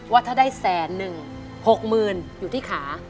ว่าถ้าได้แสนหนึ่ง๖๐๐๐อยู่ที่ขา